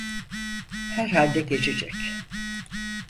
Herhalde geçecek…